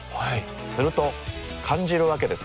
すると感じるわけです。